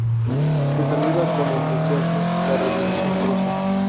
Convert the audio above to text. Se saluda "con entusiasmo" la revolución rusa.